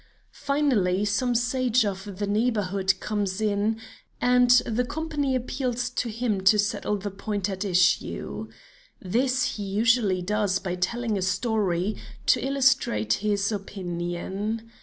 Finally, some sage of the neighborhood comes in, and the company appeals to him to settle the point at issue. This he usually does by telling a story to illustrate his opinion.